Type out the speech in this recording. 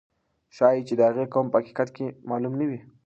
ښایي چې د هغې قوم په حقیقت کې معلوم نه وي.